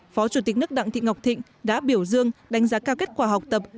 phó chủ tịch nước đặng thị ngọc thịnh đã biểu dương đánh giá cao kết quả học tập